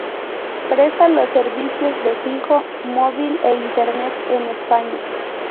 Presta los servicios de Fijo, Móvil e Internet en España.